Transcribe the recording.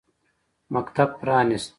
مکتب پرانیست.